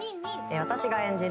私が演じる